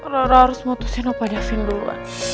rara harus memutuskan pak davin dulu